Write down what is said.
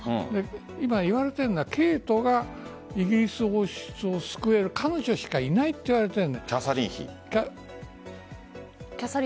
今、言われているのはケイトがイギリス王室を救えるのは彼女しかいないといわれている。